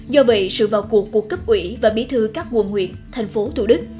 do vậy sự vào cuộc của cấp ủy và bí thư các quần huyện thành phố thủ đức